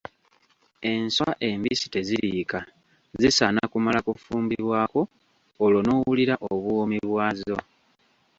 Enswa embisi teziriika, zisaana kumala kufumbibwako olwo n'owulira obuwoomi bwazo.